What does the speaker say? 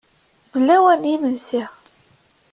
D lawan n yimensi.